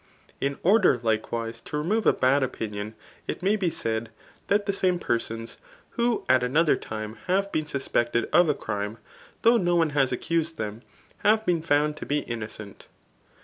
In order, likewise^ to remove a bad opinion, it may be said, that the same persons, who at another time have been suspected of a crime, though no one has accused them, have been found to be innocent.